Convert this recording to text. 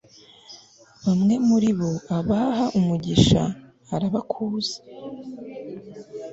bamwe muri bo, abaha umugisha, arabakuza